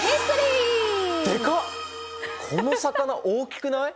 この魚大きくない？